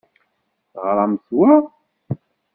Teɣṛamt wa?